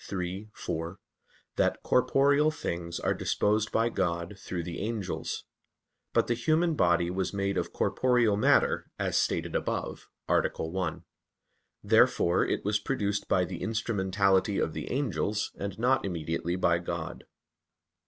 iii, 4), that "corporeal things are disposed by God through the angels." But the human body was made of corporeal matter, as stated above (A. 1). Therefore it was produced by the instrumentality of the angels, and not immediately by God.